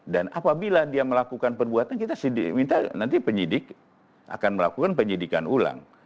dan apabila dia melakukan perbuatan kita minta nanti penyidik akan melakukan penyidikan ulang